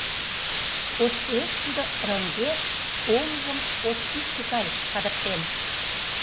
Ошкылеш тудо рыҥге, оҥжым ош йӱксӧ гай кадыртен.